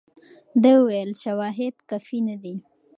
ده وویل شواهد کافي نه دي.